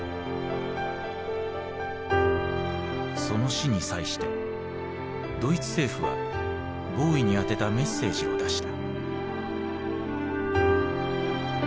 その死に際してドイツ政府はボウイに宛てたメッセージを出した。